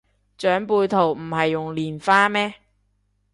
長輩圖唔係用蓮花咩